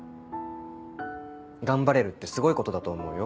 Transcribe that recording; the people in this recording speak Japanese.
頑張れるってすごいことだと思うよ。